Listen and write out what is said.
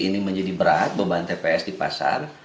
ini menjadi berat beban tps di pasar